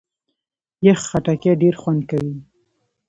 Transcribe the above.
یخ خټکی ډېر خوند کوي.